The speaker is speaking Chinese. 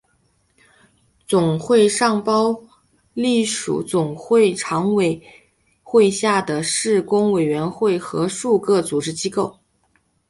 总会尚包含隶属总会常置委员会下的事工委员会与数个组织机构。